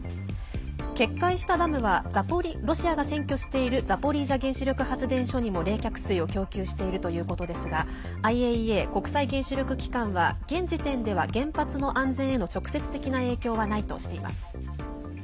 決壊したダムはロシアが占拠しているザポリージャ原子力発電所にも冷却水を提供し続けているということですがＩＡＥＡ＝国際原子力機関は現時点では原発の安全への直接的な影響はないとしています。